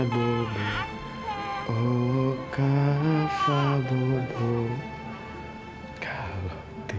karena aku yakin fadlin pasti akan nyerah